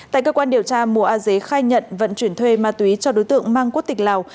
tại cơ quan điều tra mùa a dế khai nhận vận chuyển thuê ma túy cho đối tượng mang quốc tịch lào